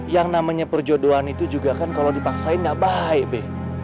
yang namanya perjodohan itu juga kan kalau dipaksain nggak baik deh